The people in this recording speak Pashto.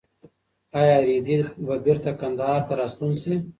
ایا رېدی به بېرته کندهار ته راستون شي؟